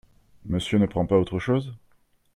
Monsieur ne prend pas autre chose ?